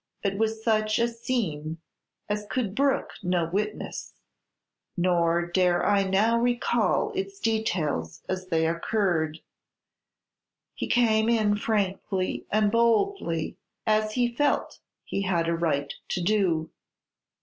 It was such a scene as could brook no witness, nor dare I now recall its details as they occurred. He came in frankly and boldly, as he felt he had a right to do.